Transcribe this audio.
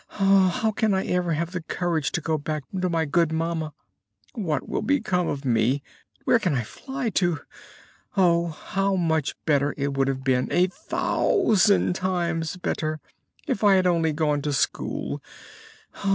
How can I ever have the courage to go back to my good mamma? What will become of me? Where can I fly to? Oh! how much better it would have been, a thousand times better, if I had only gone to school!